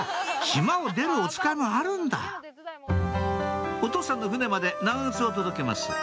島を出るおつかいもあるんだお父さんの船まで長靴を届けます